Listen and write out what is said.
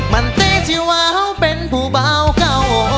มันติดที่ว่าเขาเป็นผู้เบาเก่า